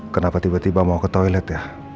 kenapa tiba tiba mau ke toilet ya